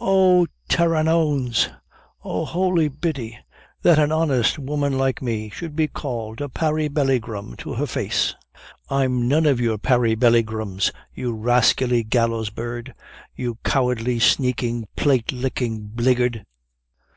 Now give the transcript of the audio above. "Oh, tare an ouns! oh, holy Biddy! that on honest woman like me should be called a parrybellygrum to her face. I'm none of your parrybellygrums, you rascally gallowsbird; you cowardly, sneaking, plate lickin' bliggard!"